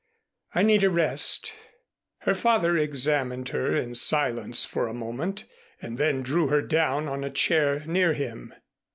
I need a rest." Her father examined her in silence for a moment, and then drew her down on a chair near him.